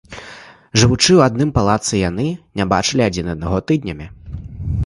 Жывучы ў адным палацы, яны не бачылі адзін аднаго тыднямі.